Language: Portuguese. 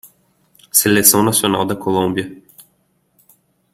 Seleção Nacional da Colômbia.